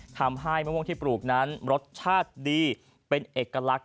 ทำให้มะม่วงที่ปลูกนั้นรสชาติดีเป็นเอกลักษณ